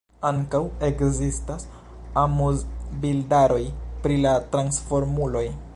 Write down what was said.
Ankaŭ ekzistas amuzbildaroj pri la Transformuloj.